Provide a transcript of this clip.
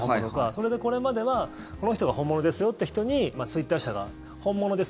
それで、これまではこの人が本物ですよって人にツイッター社が、本物です